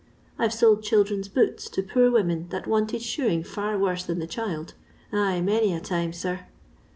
I 've sold children's boots to poor women that wanted shoe ing fiur worse than the child ; aye, many a time, sir.